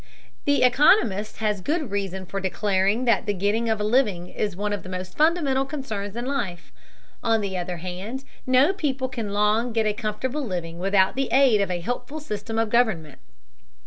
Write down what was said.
The economist has good reason for declaring that the getting of a living is one of the most fundamental concerns in life; on the other hand, no people can long get a comfortable living without the aid of a helpful system of government.